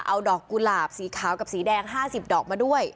เอาดอกกุหลาบสีขาวกับสีแดง๕๐ดอกมาด้วย